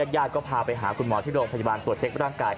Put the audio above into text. ญาติก็พาไปหาคุณหมอที่โรงพยาบาลตรวจเช็คร่างกาย